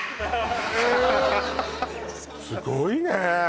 すごいね！